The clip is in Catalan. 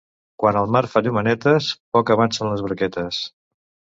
Quan el mar fa llumenetes, poc avancen les barquetes.